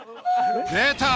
出た！